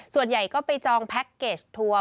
ส่วนใหญ่ก็ไปจองแพ็คเกจทัวร์